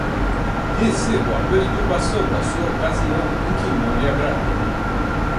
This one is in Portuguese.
recebo a perturbação da sua ocasião em que lhe não agrado